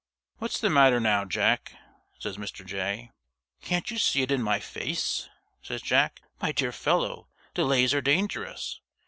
"What's the matter now, Jack?" says Mr. Jay. "Can't you see it in my face?" says Jack. "My dear fellow, delays are dangerous.